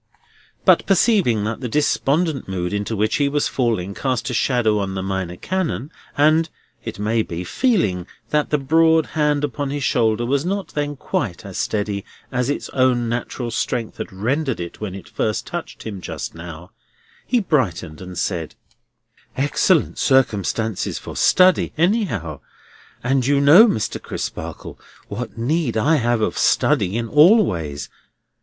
But perceiving that the despondent mood into which he was falling cast a shadow on the Minor Canon, and (it may be) feeling that the broad hand upon his shoulder was not then quite as steady as its own natural strength had rendered it when it first touched him just now, he brightened and said: "Excellent circumstances for study, anyhow! and you know, Mr. Crisparkle, what need I have of study in all ways.